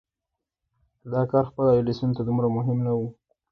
دا کار خپله ايډېسن ته دومره مهم نه و.